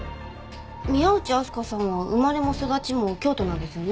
宮内あすかさんは生まれも育ちも京都なんですよね？